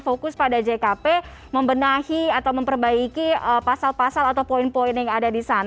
fokus pada jkp membenahi atau memperbaiki pasal pasal atau poin poin yang ada di sana